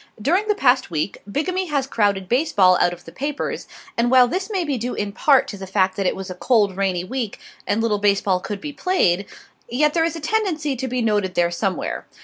During the past week bigamy has crowded baseball out of the papers, and while this may be due in part to the fact that it was a cold, rainy week and little baseball could be played, yet there is a tendency to be noted there somewhere.